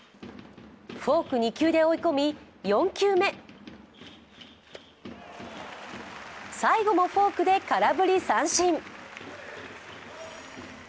フォーク２球で追い込み、４球目最後もフォークで空振り三振。